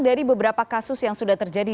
dari beberapa kasus yang sudah terjadi